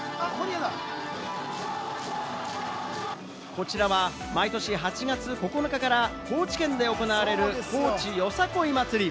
こちらは毎年８月９日から高知県で行われる高知よさこい祭り。